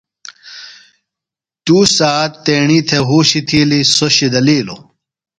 توش سھات تیݨی تھےۡ ہوشی تھِیلیۡ سو شِدلیلیو۔